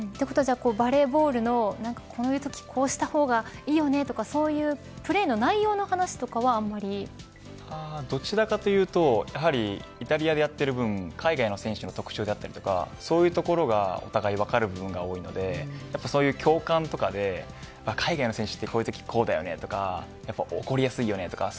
バレーボールの、こういうときこうした方がいいよねというプレーの内容の話とかはどちらかというとイタリアでやっている分海外の選手の特徴であったりそういうところがお互い分かる部分が多いのでそういう共感とかで海外の選手、こういうとき、こうだよねとか怒りやすいよねとか。